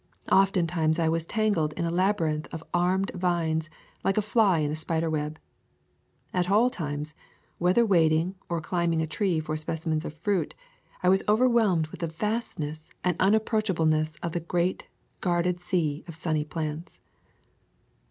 Oftentimes I was tangled in a laby rinth of armed vines like a fly in a spider web. At all times, whether wading or climbing a tree for specimens of fruit, I was overwhelmed with the vastness and unapproachableness of the great guarded sea of sunny plants.